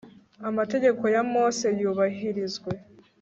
amategeko ya mose yubahirizwe